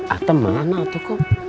atau mana tuh kum